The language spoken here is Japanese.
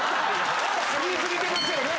言い過ぎてますよね？